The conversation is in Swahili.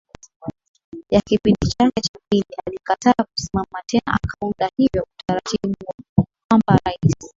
ya kipindi chake cha pili alikataa kusimama tena akaunda hivyo utaratibu wa kwamba rais